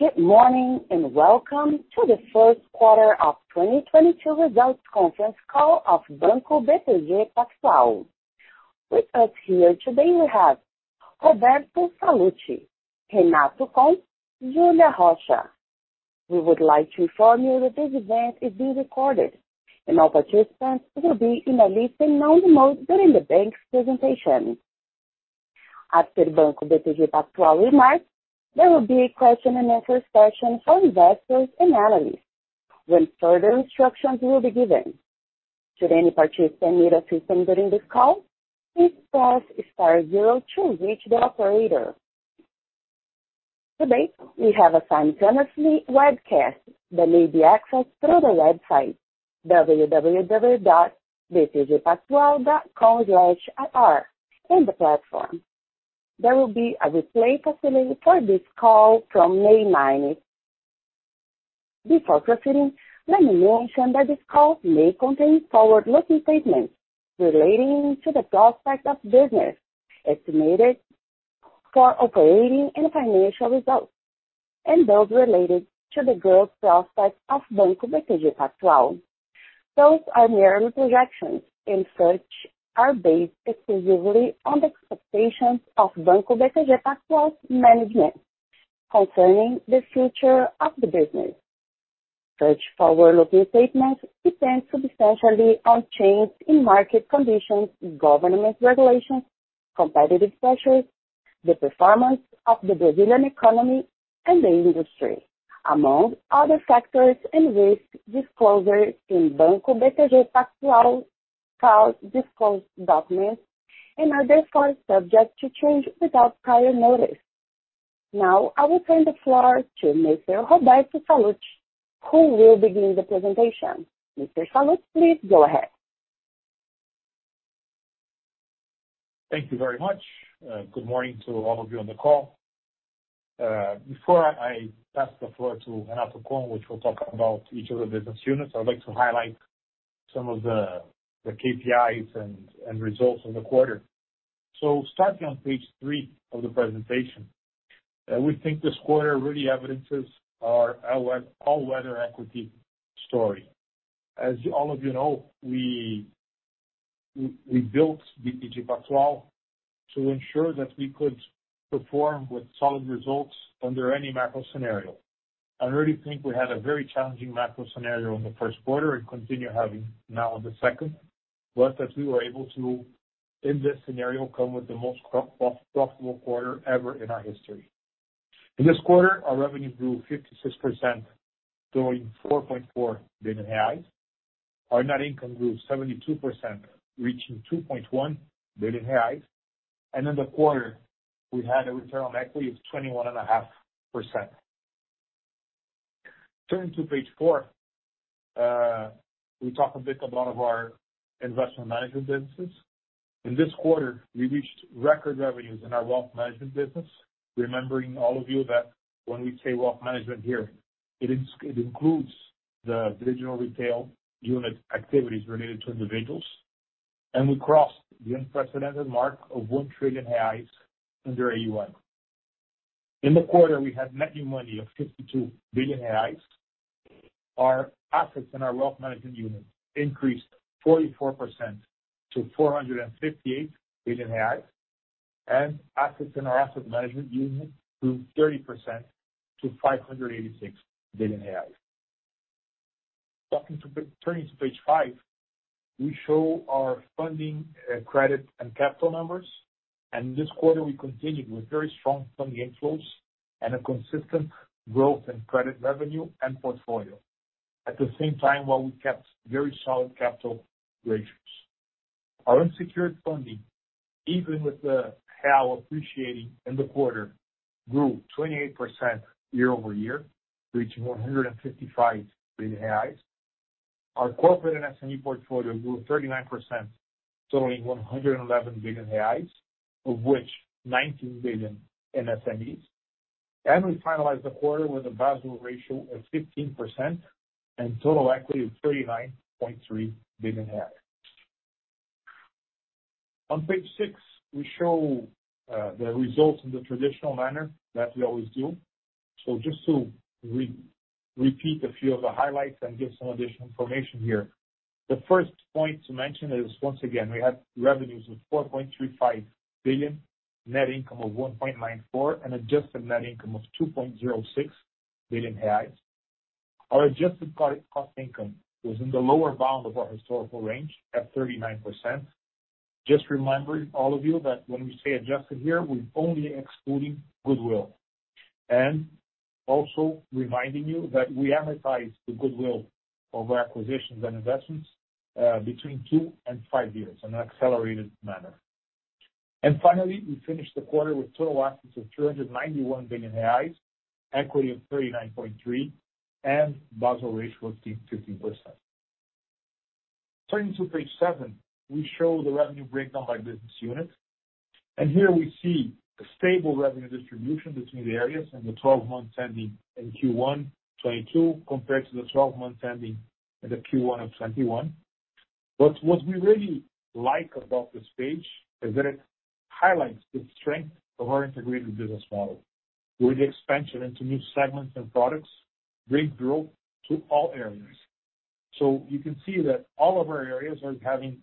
Good morning, and welcome to the first quarter of 2022 results conference call of Banco BTG Pactual. With us here today, we have Roberto Sallouti, Renato Cohn, Julia Rocha. We would like to inform you that this event is being recorded and all participants will be in a listen-only mode during the bank's presentation. After Banco BTG Pactual remarks, there will be a question-and-answer session for investors and analysts when further instructions will be given. Should any participant need assistance during this call, please press star zero to reach the operator. Today, we have a simultaneously webcast that may be accessed through the website www.btgpactual.com/ir in the platform. There will be a replay facility for this call from May 9th. Before proceeding, let me mention that this call may contain forward-looking statements relating to the prospects of the business, estimates for operating and financial results and those related to the growth prospects of Banco BTG Pactual. Those are mere projections and such are based exclusively on the expectations of Banco BTG Pactual's management concerning the future of the business. Such forward-looking statements depend substantially on changes in market conditions, government regulations, competitive pressures, the performance of the Brazilian economy and the industry, among other factors and risks disclosed in Banco BTG Pactual's filed and disclosed documents and are therefore subject to change without prior notice. Now I will turn the floor to Mr. Roberto Sallouti, who will begin the presentation. Mr. Sallouti, please go ahead. Thank you very much. Good morning to all of you on the call. Before I pass the floor to Renato Cohn, which will talk about each of the business units, I'd like to highlight some of the KPIs and results of the quarter. Starting on page three of the presentation, we think this quarter really evidences our all-weather equity story. As all of you know, we built BTG Pactual to ensure that we could perform with solid results under any macro scenario. I really think we had a very challenging macro scenario in the first quarter and continue having now in the second, but that we were able to, in this scenario, come with the most profitable quarter ever in our history. In this quarter, our revenue grew 56%, totaling 4.4 billion reais. Our net income grew 72%, reaching 2.1 billion reais. In the quarter, we had a return on equity of 21.5%. Turning to page four, we talk a bit about our investment management businesses. In this quarter, we reached record revenues in our Wealth Management business. Remembering all of you that when we say Wealth Management here, it includes the digital retail unit activities related to individuals. We crossed the unprecedented mark of 1 trillion reais under AUM. In the quarter, we had net new money of 52 billion reais. Our assets in our Wealth Management unit increased 44% to 458 billion. Assets in our asset management unit grew 30% to 586 billion. Turning to page five, we show our funding, credit, and capital numbers. This quarter, we continued with very strong funding inflows and a consistent growth in credit revenue and portfolio, at the same time while we kept very solid capital ratios. Our unsecured funding, even with the real appreciating in the quarter, grew 28% year-over-year, reaching 155 billion reais. Our corporate and SME portfolio grew 39%, totaling 111 billion reais, of which 19 billion in SMEs. We finalized the quarter with a Basel ratio of 15% and total equity of 39.3 billion. On page six, we show the results in the traditional manner that we always do. Just to repeat a few of the highlights and give some additional information here. The first point to mention is, once again, we had revenues of 4.35 billion, net income of 1.94 billion, and adjusted net income of 2.06 billion reais. Our adjusted cost-to-income was in the lower bound of our historical range at 39%. Just reminding all of you that when we say adjusted here, we're only excluding goodwill. Also reminding you that we amortize the goodwill over acquisitions and investments between two and five years in an accelerated manner. Finally, we finished the quarter with total assets of 391 billion reais, equity of 39.3 billion, and Basel ratio of 15%. Turning to page seven, we show the revenue breakdown by business unit. Here we see a stable revenue distribution between the areas in the twelve months ending in Q1 2022 compared to the twelve months ending at the Q1 of 2021. What we really like about this page is that it highlights the strength of our integrated business model, with the expansion into new segments and products bring growth to all areas. You can see that all of our areas are having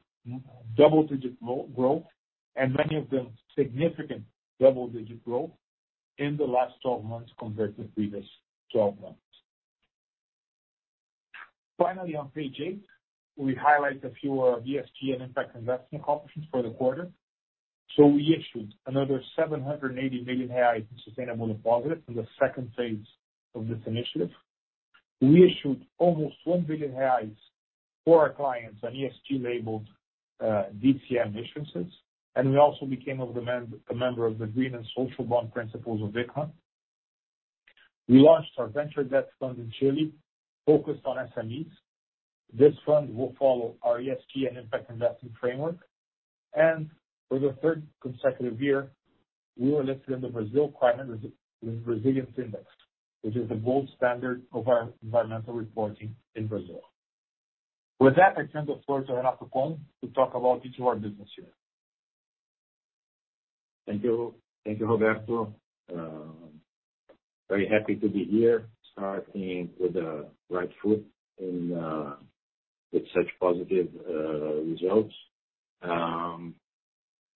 double-digit growth, and many of them significant double-digit growth in the last twelve months compared to the previous twelve months. Finally, on page eight, we highlight a few of our ESG and impact investment accomplishments for the quarter. We issued another 780 million in sustainable deposits in the second phase of this initiative. We issued almost 1 billion reais for our clients on ESG-labeled DCM issuances, and we also became a member of the Green and Social Bond Principles of ICMA. We launched our venture debt fund in Chile, focused on SMEs. This fund will follow our ESG and impact investment framework. For the third consecutive year, we were listed in the Brazil Climate Resilience Index, which is the gold standard of our environmental reporting in Brazil. With that, I turn the floor to Renato Cohn to talk about each of our business units. Thank you. Thank you, Roberto. Very happy to be here, starting with the right foot in, with such positive results.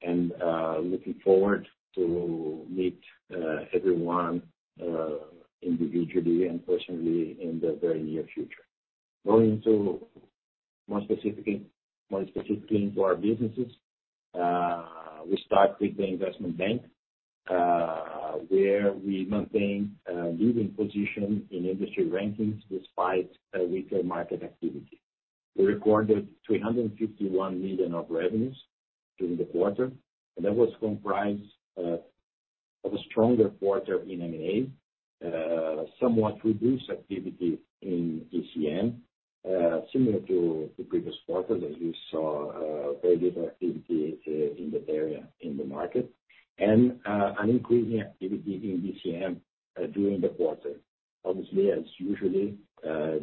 Looking forward to meet everyone individually and personally in the very near future. Going to more specifically into our businesses, we start with the investment bank, where we maintain a leading position in industry rankings despite a weaker market activity. We recorded 351 million of revenues during the quarter, and that was comprised of a stronger quarter in M&A, somewhat reduced activity in ECM, similar to the previous quarter that you saw, very little activity in that area in the market, and an increasing activity in DCM during the quarter. Obviously, as usually,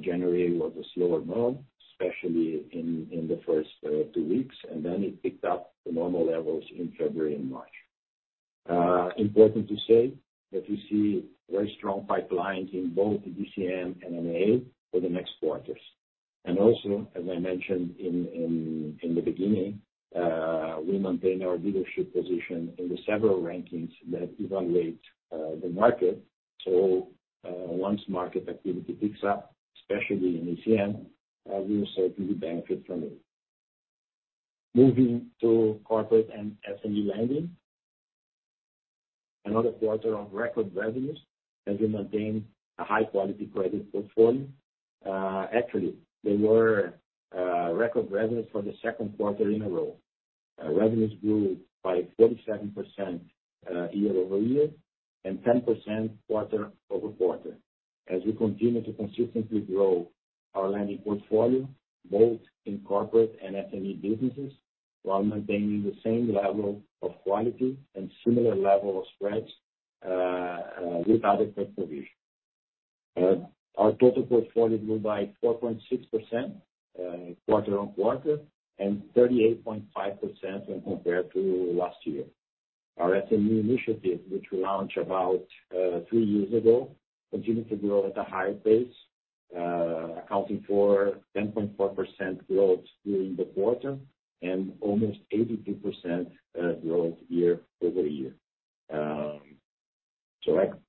January was a slower month, especially in the first two weeks, and then it picked up to normal levels in February and March. Important to say that we see very strong pipelines in both the DCM and M&A for the next quarters. Also, as I mentioned in the beginning, we maintain our leadership position in several rankings that evaluate the market. Once market activity picks up, especially in ECM, we will certainly benefit from it. Moving to corporate and SME lending. Another quarter of record revenues as we maintain a high-quality credit portfolio. Actually, they were record revenues for the second quarter in a row. Revenues grew by 47% year-over-year and 10% quarter-over-quarter as we continue to consistently grow our lending portfolio, both in corporate and SME businesses, while maintaining the same level of quality and similar level of spreads, without a credit provision. Our total portfolio grew by 4.6% quarter-over-quarter and 38.5% when compared to last year. Our SME initiative, which we launched about three years ago, continued to grow at a higher pace, accounting for 10.4% growth during the quarter and almost 82% growth year-over-year.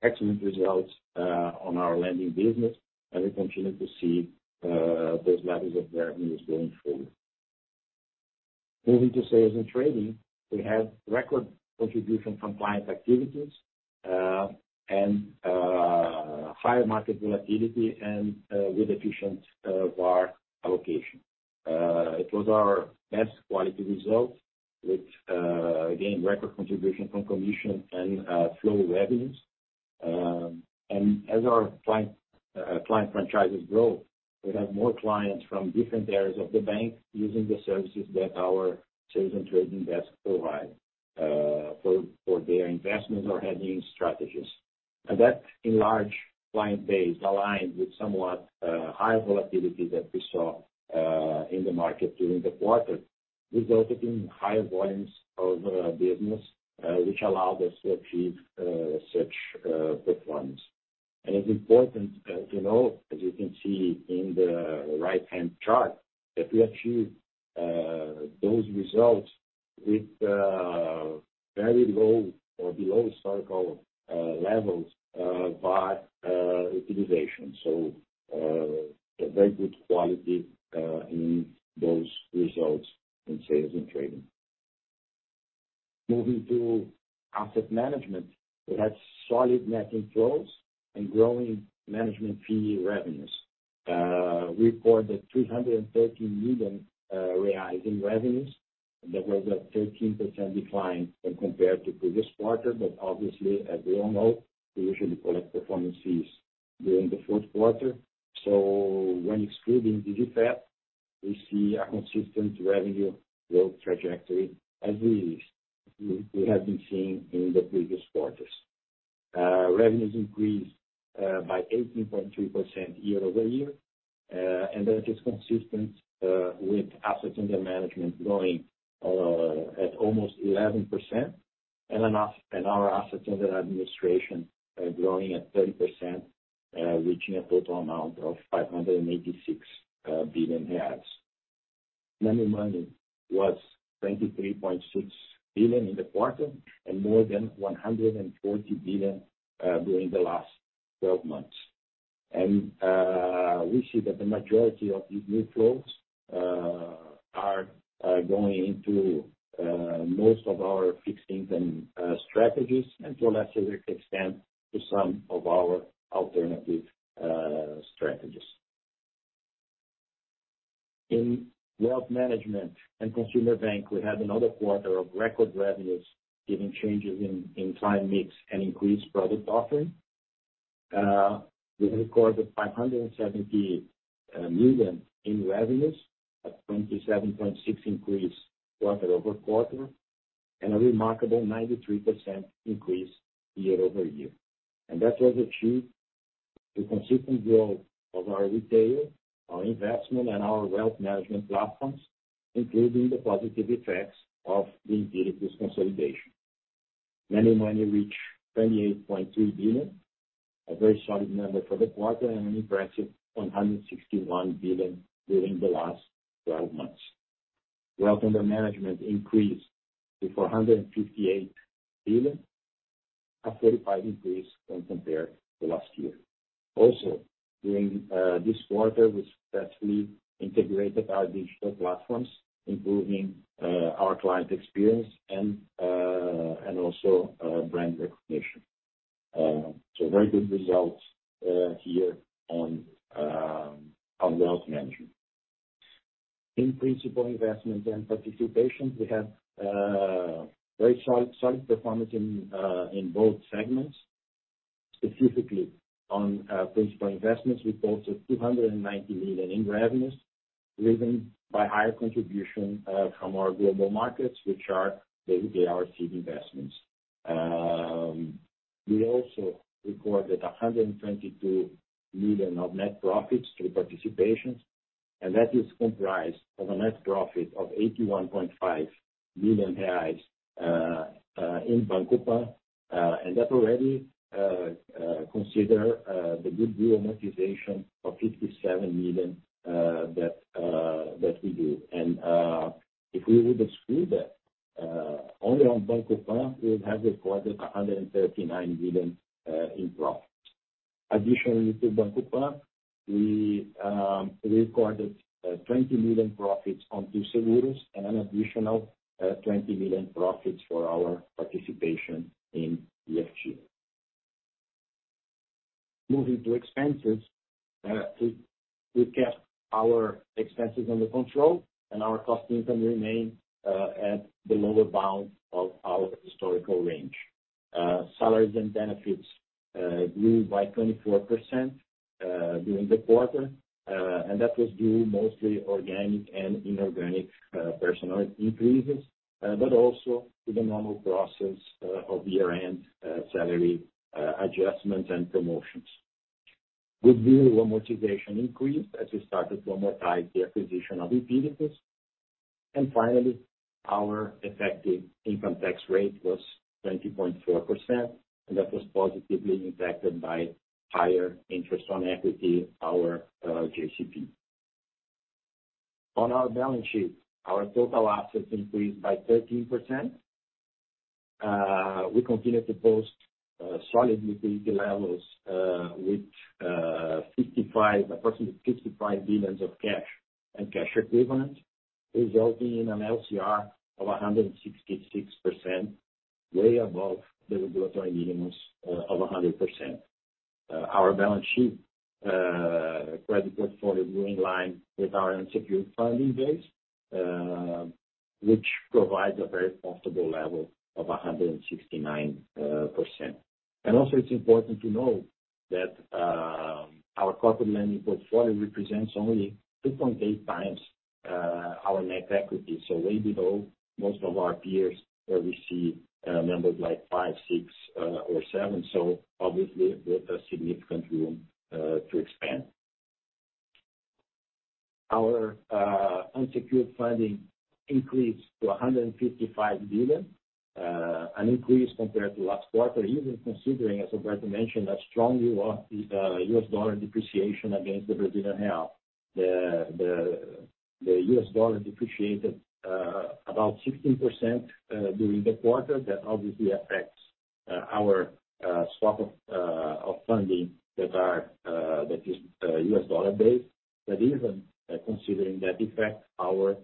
Excellent results on our lending business, and we continue to see those levels of revenues going forward. Moving to sales and trading, we have record contribution from client activities, and higher market volatility, with efficient VaR allocation. It was our best quality result, with again, record contribution from commission and flow revenues. As our client franchises grow, we have more clients from different areas of the bank using the services that our sales and trading desk provide for their investments or hedging strategies. That enlarged client base aligned with somewhat higher volatility that we saw in the market during the quarter resulted in higher volumes of business, which allowed us to achieve such performance. It's important to note, as you can see in the right-hand chart, that we achieved those results with very low, or below historical levels of VaR utilization. A very good quality in those results in sales and trading. Moving to asset management, we had solid net inflows and growing management fee revenues. We recorded 313 million reais in revenues. That was a 13% decline when compared to previous quarter. Obviously, as we all know, we usually collect performance fees during the fourth quarter. When excluding Digifap, we see a consistent revenue growth trajectory as we have been seeing in the previous quarters. Revenues increased by 18.3% year-over-year. That is consistent with assets under management growing at almost 11% and our assets under administration are growing at 30%, reaching a total amount of 586 billion reais. Money market was 23.6 billion in the quarter and more than 140 billion during the last twelve months. We see that the majority of the new flows are going into most of our fixed income strategies, and to a lesser extent, to some of our alternative strategies. In Wealth Management and consumer bank, we had another quarter of record revenues, given changes in client mix and increased product offering. We recorded 570 million in revenues, a 27.6% increase quarter-over-quarter, and a remarkable 93% increase year-over-year. That was achieved through consistent growth of our retail, our investment, and our Wealth Management platforms, including the positive effects of the Empiricus consolidation. Managed money reached 28.2 billion, a very solid number for the quarter, and an impressive 161 billion during the last 12 months. Wealth under management increased to 458 billion, a 35% increase when compared to last year. During this quarter, we successfully integrated our digital platforms, improving our client experience and also brand recognition. Very good results here on Wealth Management. In principal investment and participations, we have very solid performance in both segments. Specifically on principal investments, we posted 290 million in revenues, driven by higher contribution from our global markets, which are the ARC investments. We also recorded 122 million of net profits through participations, and that is comprised of a net profit of 81.5 million reais in Banco Pan, and that already considers the goodwill amortization of 57 million that we do. If we were to exclude that only on Banco Pan, we would have recorded 139 million in profits. Additionally to Banco Pan, we recorded 20 million profits on Too Seguros and an additional 20 million profits for our participation in EFG. Moving to expenses, we kept our expenses under control and our cost-to-income ratio remains at the lower bound of our historical range. Salaries and benefits grew by 24% during the quarter. That was due mostly to organic and inorganic personnel increases, but also to the normal process of year-end salary adjustments and promotions. Goodwill amortization increased as we started to amortize the acquisition of Empiricus. Finally, our effective income tax rate was 20.4%, and that was positively impacted by higher interest on equity, our JCP. On our balance sheet, our total assets increased by 13%. We continue to post solid liquidity levels with approximately 55 billion of cash and cash equivalents, resulting in an LCR of 166%, way above the regulatory minimums of 100%. Our balance sheet credit portfolio in line with our unsecured funding base, which provides a very comfortable level of 169%. It's important to note that our corporate lending portfolio represents only 2.8x our net equity, so way below most of our peers where we see numbers like five, six, or seven. Obviously, with a significant room to expand. Our unsecured funding increased to 155 billion. An increase compared to last quarter, even considering, as Roberto mentioned, a strong US dollar depreciation against the Brazilian real. The US dollar depreciated about 15% during the quarter. That obviously affects our stock of funding that is US dollar based. Even considering that effect, our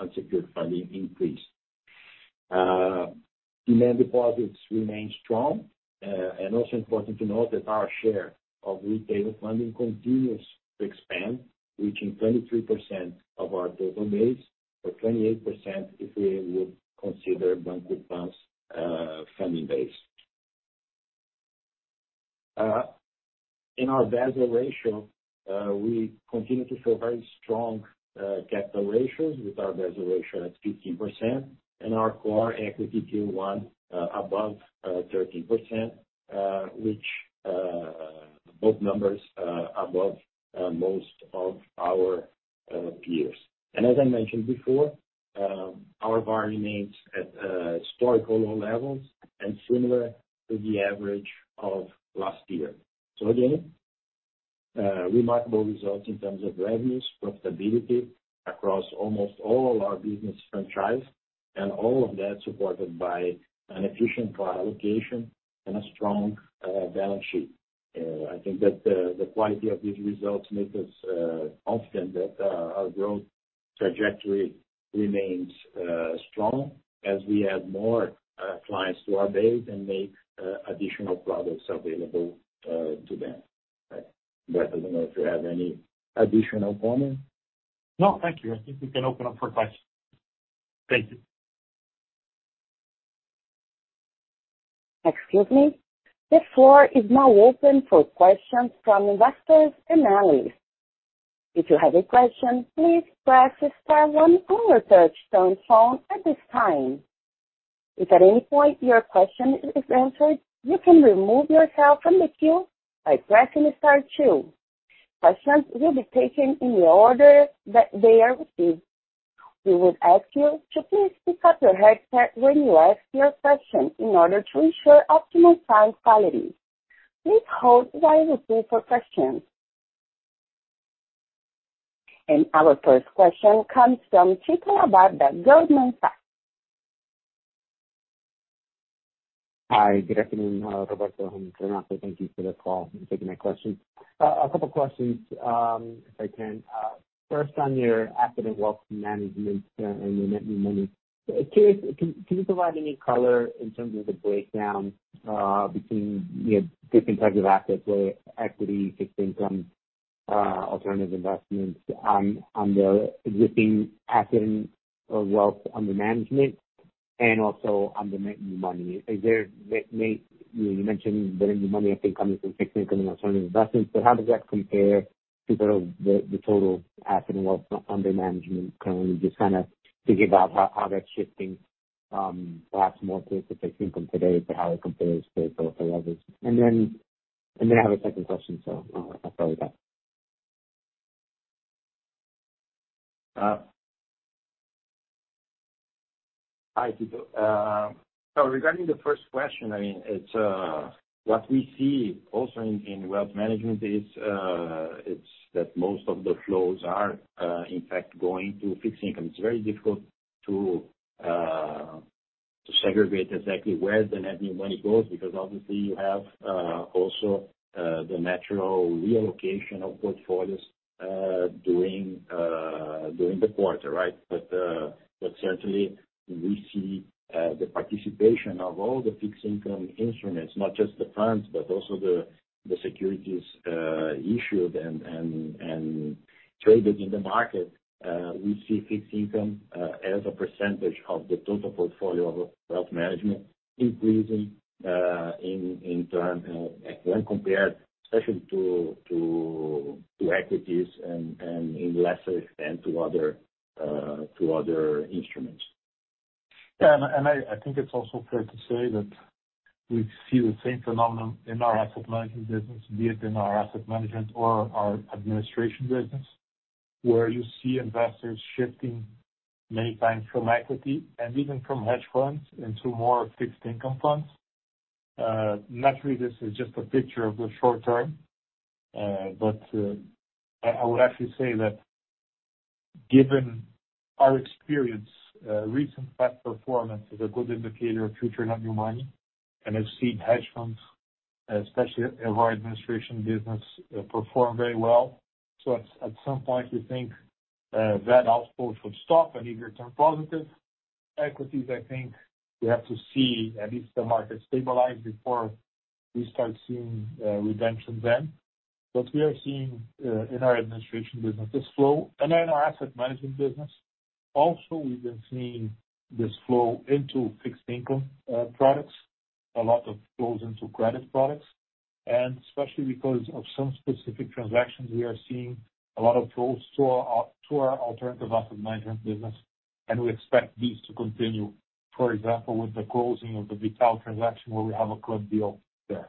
unsecured funding increased. Demand deposits remain strong. Also important to note that our share of retail funding continues to expand, reaching 23% of our total base, or 28% if we would consider Banco Pan's funding base. In our Basel ratio, we continue to show very strong capital ratios with our Basel ratio at 15% and our Common Equity Tier 1 above 13%, which both numbers above most of our peers. As I mentioned before, our borrowing remains at historical low levels and similar to the average of last year. Again, remarkable results in terms of revenues, profitability across almost all our business franchise and all of that supported by an efficient capital allocation and a strong balance sheet. I think that the quality of these results make us confident that our growth trajectory remains strong as we add more clients to our base and make additional products available to them. Right. Roberto, I don't know if you have any additional comments. No, thank you. I think we can open up for questions. Thank you. Excuse me. The floor is now open for questions from investors and analysts. If you have a question, please press star one on your touchtone phone at this time. If at any point your question isn't answered, you can remove yourself from the queue by pressing star two. Questions will be taken in the order that they are received. We would ask you to please pick up your headset when you ask your question in order to ensure optimal sound quality. Please hold while we wait for questions. Our first question comes from Tito Labarta at Goldman Sachs. Hi, good afternoon, Roberto and Renato. Thank you for the call and taking my questions. A couple questions, if I can. First on your asset and Wealth Management, and your net new money, curious, can you provide any color in terms of the breakdown, between, you know, different types of assets, whether equity, fixed income, alternative investments on the existing asset or wealth under management and also on the net new money? You know, you mentioned the net new money I think coming from fixed income and alternative investments. How does that compare to sort of the total asset and wealth under management currently? Just kind of thinking about how that's shifting, perhaps more towards the fixed income today, but how it compares to others. I have a second question, so I'll throw it back. Hi, Tito. Regarding the first question, I mean, it's what we see also in Wealth Management is it's that most of the flows are in fact going to fixed income. It's very difficult to segregate exactly where the net new money goes because obviously you have also the natural reallocation of portfolios during the quarter, right? Certainly we see the participation of all the fixed income instruments, not just the funds, but also the securities issued and traded in the market. We see fixed income as a percentage of the total portfolio of Wealth Management increasing in terms when compared especially to equities and in lesser extent to other instruments. Yeah. I think it's also fair to say that we see the same phenomenon in our asset management business, be it in our asset management or our administration business, where you see investors shifting many times from equity and even from hedge funds into more fixed income funds. Naturally this is just a picture of the short-term. I would actually say that given our experience, recent past performance is a good indicator of future net new money. I've seen hedge funds, especially in our administration business, perform very well. At some point you think that outflow should stop and even turn positive. Equities, I think we have to see at least the market stabilize before we start seeing redemptions then. We are seeing in our administration business this flow. In our asset management business also we've been seeing this flow into fixed income products. A lot of flows into credit products. Especially because of some specific transactions, we are seeing a lot of flows to our alternative asset management business, and we expect these to continue, for example, with the closing of the V.tal transaction where we have a closed deal there.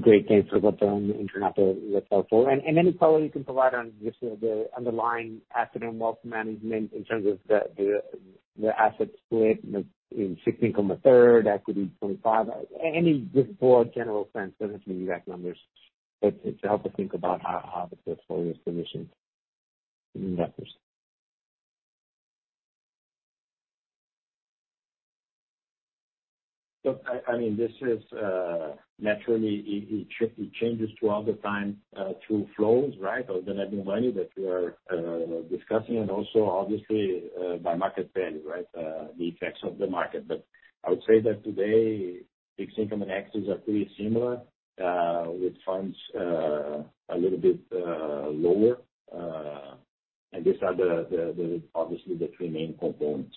Great. Thanks, Roberto and Renato. That's helpful. Any color you can provide on just the underlying asset and Wealth Management in terms of the asset split, you know, in fixed income a third, equity 0.5. Any just broad general sense, doesn't have to be exact numbers, but to help us think about how the portfolio is positioned in that respect. Look, I mean, this is naturally it changes throughout the time through flows, right, of the net new money that we are discussing and also obviously by market value, right? The effects of the market. I would say that today fixed income and equities are pretty similar with funds a little bit lower. These are the obviously the three main components.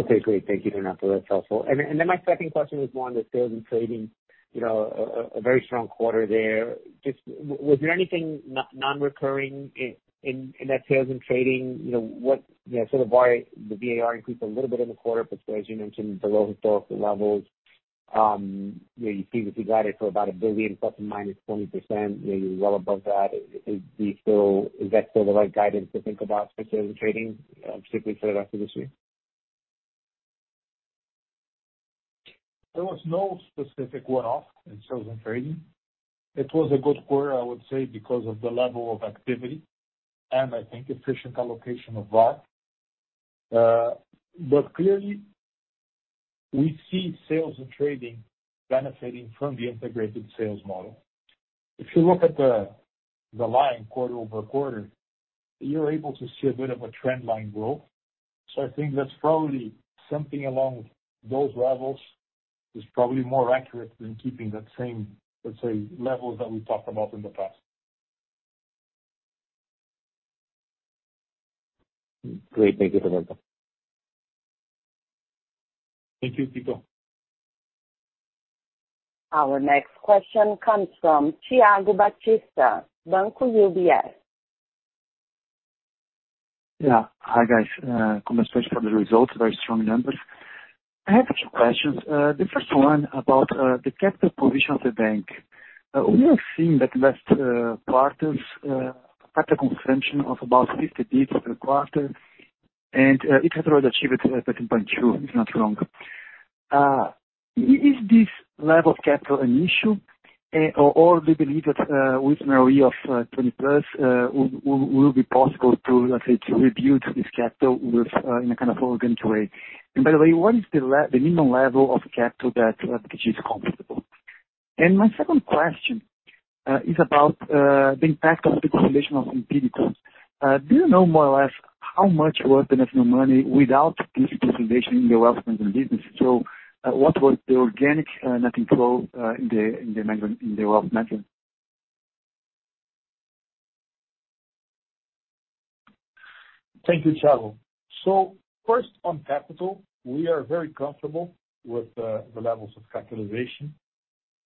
Okay, great. Thank you, Renato. That's helpful. Then my second question was more on the sales and trading, you know, a very strong quarter there. Just was there anything non-recurring in that sales and trading? You know, sort of why the VaR increased a little bit in the quarter, but as you mentioned, below historical levels, you know, you previously guided for about 1 billion+ or -20%. You know, you're well above that. Do you feel that is still the right guidance to think about for sales and trading, strictly for the rest of this year? There was no specific one-off in sales and trading. It was a good quarter, I would say, because of the level of activity and I think efficient allocation of VaR. Clearly we see sales and trading benefiting from the integrated sales model. If you look at the line quarter-over-quarter, you're able to see a bit of a trend line growth. I think that's probably something along those levels is probably more accurate than keeping that same, let's say, level that we talked about in the past. Great. Thank you, Renato. Thank you, Tito. Our next question comes from Thiago Batista, UBS. Yeah. Hi, guys. Congratulations for the results. Very strong numbers. I have two questions. The first one about the capital position of the bank. We have seen that last quarters capital consumption of about 50 basis points per quarter, and it had already achieved 13.2%, if not wrong. Is this level of capital an issue? Or do you believe that with an ROE of 20+, will be possible to, let's say, to rebuild this capital in a kind of organic way? And by the way, what is the minimum level of capital that BTG is comfortable? And my second question is about the impact of the consolidation of competitive. Do you know more or less how much was the net new money without this consolidation in the Wealth Management business? What was the organic net inflow in the Wealth Management? Thank you, Thiago. First on capital, we are very comfortable with the levels of capitalization.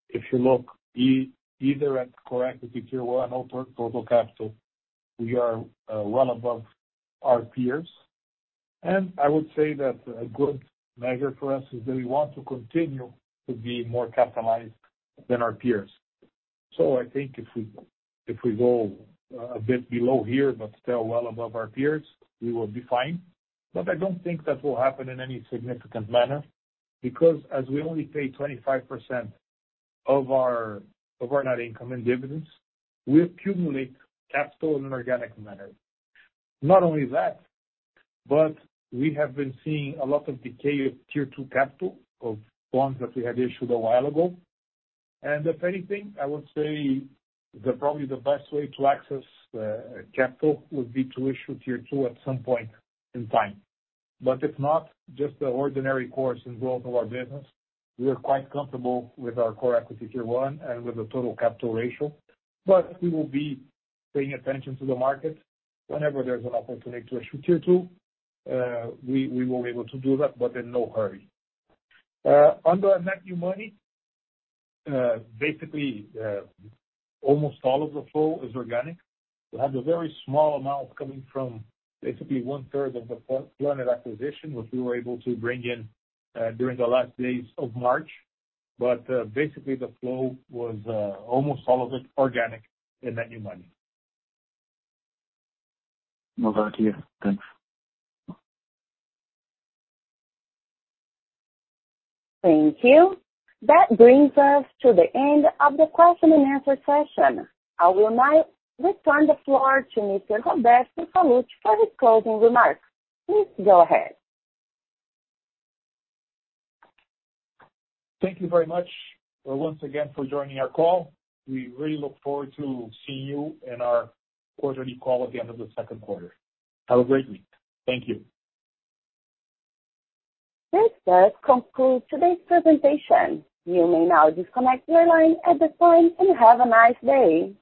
If you look either at Common Equity Tier 1 or total capital, we are well above our peers. I would say that a good measure for us is that we want to continue to be more capitalized than our peers. I think if we go a bit below here but still well above our peers, we will be fine. I don't think that will happen in any significant manner because as we only pay 25% of our net income and dividends, we accumulate capital in an organic manner. Not only that, but we have been seeing a lot of decay of Tier 2 capital of bonds that we had issued a while ago. If anything, I would say that probably the best way to access capital would be to issue Tier 2 at some point in time. It's not just the ordinary course in growth of our business. We are quite comfortable with our Common Equity Tier 1 and with the total capital ratio. We will be paying attention to the market. Whenever there's an opportunity to issue Tier 2, we will be able to do that, but in no hurry. Under net new money, basically, almost all of the flow is organic. We had a very small amount coming from basically one-third of the Planner acquisition, which we were able to bring in during the last days of March. Basically the flow was almost all of it organic in net new money. No more idea. Thanks. Thank you. That brings us to the end of the question and answer session. I will now return the floor to Mr. Roberto Sallouti for his closing remarks. Please go ahead. Thank you very much once again for joining our call. We really look forward to seeing you in our quarterly call at the end of the second quarter. Have a great week. Thank you. This does conclude today's presentation. You may now disconnect your line at this time and have a nice day.